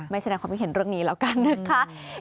แสดงความคิดเห็นเรื่องนี้แล้วกันนะคะ